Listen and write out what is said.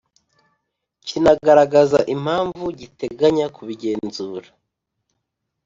kinagaragaza impamvu giteganya kubigenzura